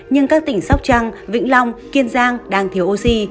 nhưng các tỉnh sóc trăng vĩnh long kiên giang đang thiếu oxy